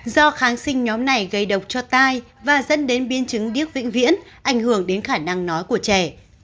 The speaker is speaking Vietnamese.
do kháng sinh nhóm này gây độc cho tai và dẫn đến biến chứng điếc vĩnh viễn ảnh hưởng đến khả năng nói của trẻ